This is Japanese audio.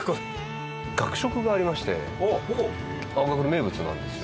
学食がありまして青学の名物なんですよ